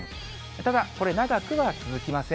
ただ、これ、長くは続きません。